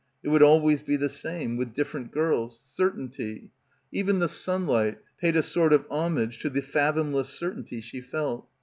It would always be the same — with different girls. Cer tainty. Even the sunlight paid a sort of homage to the fathomless certainty she felt.